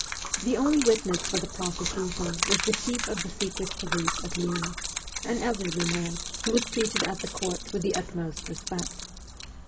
The only witness for the prosecution was the chief of the secret police at Lyons, an elderly man, who was treated at the court with the utmost respect.